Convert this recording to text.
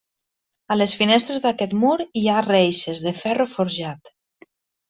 A les finestres d'aquest mur hi ha reixes de ferro forjat.